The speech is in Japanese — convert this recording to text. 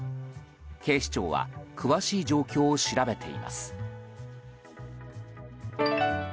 警視庁は詳しい状況を調べています。